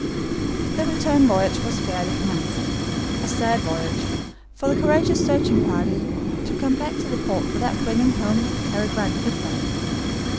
The return voyage was fairly commenced. A sad voyage, for the courageous searching party to come back to the port without bringing home Harry Grant with them!